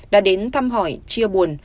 đã đến thăm hỏi chia buồn